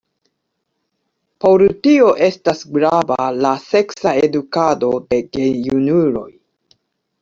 Por tio estas grava la seksa edukado de gejunuloj.